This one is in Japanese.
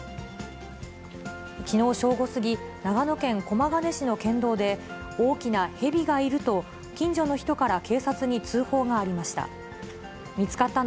きのう正午過ぎ、長野県駒ヶ根市の県道で、大きなヘビがいると、近所の人から警察に通報がありました。